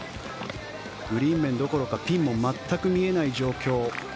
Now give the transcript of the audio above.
グリーン面どころかピンも全く見えない状況。